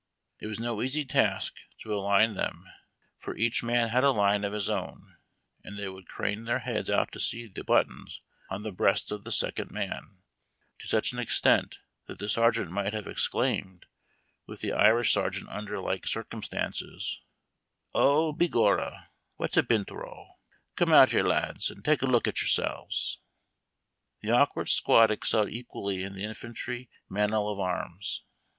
It was no eas}' task to align them, for each man had a line of his own, and they would crane their heads out to see the buttons on the breast of the second man, to such an extent that the sergeant miglit have ex claimed, witli the Irish sergeant under like circumstances, '' O be gorra, what a bint row ! Come out liere, lads, and take a look at yoursels !" The awkward squad excelled equally in the infantry manual of arms.